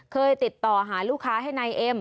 เคยติดต่อหาลูกค้าให้นายเอ็ม